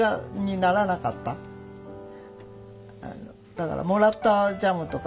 だからもらったジャムとかで。